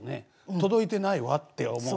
届いてないわって思う。